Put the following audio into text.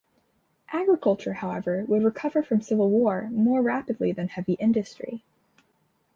Agriculture, however, would recover from civil war more rapidly than heavy industry.